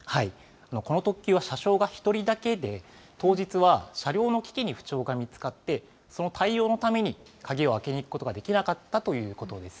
この特急は車掌が１人だけで、当日は車両の機器に不調が見つかって、その対応のために、鍵を開けに行くことができなかったということです。